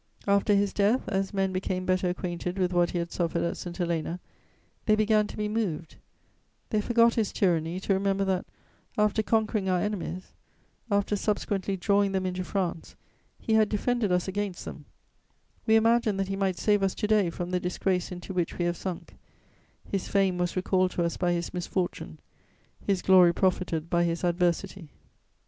After his death, as men became better acquainted with what he had suffered at St. Helena, they began to be moved; they forgot his tyranny to remember that, after conquering our enemies, after subsequently drawing them into France, he had defended us against them; we imagine that he might save us to day from the disgrace into which we have sunk: his fame was recalled to us by his misfortune; his glory profited by his adversity.